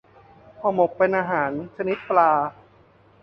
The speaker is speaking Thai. ห่อหมก เป็นอาหารชนิดปลา